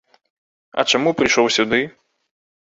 А чаму прыйшоў сюды?